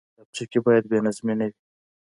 کتابچه کې باید بېنظمي نه وي